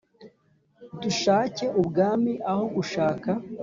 Dushake ubwami aho gushaka